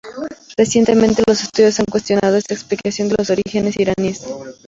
Recientemente, los estudiosos han cuestionado esta explicación de los orígenes iraníes.